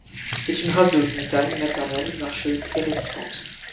C'est une race de haute montagne, maternelle, marcheuse et résistante.